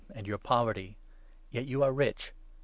499 and your poverty — yet you are rich